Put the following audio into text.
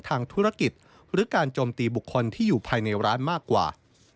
ทางธุรกิจหรือการโจมตีบุคคลที่อยู่ภายในร้านมากกว่า